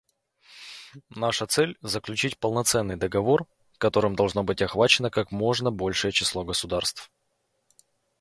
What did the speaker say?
Наша цель — заключить полноценный договор, которым должно быть охвачено как можно большее число государств.